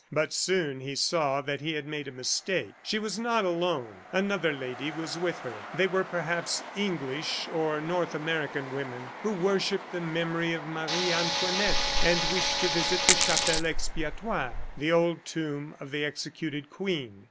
But soon he saw that he had made a mistake. She was not alone, another lady was with her. They were perhaps English or North American women who worshipped the memory of Marie Antoinette and wished to visit the Chapelle Expiatoire, the old tomb of the executed queen.